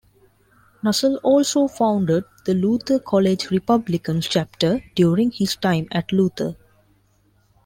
Nussle also founded the Luther College Republicans chapter during his time at Luther.